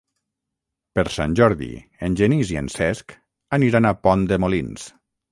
Per Sant Jordi en Genís i en Cesc aniran a Pont de Molins.